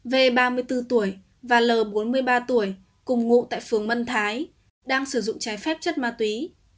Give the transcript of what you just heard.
v ba mươi bốn tuổi và l bốn mươi ba tuổi cùng ngụ tại phường mân thái đang sử dụng trái phép chất ma túy